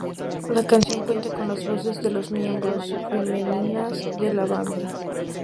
La canción cuenta con las voces de las miembros femeninas de la banda.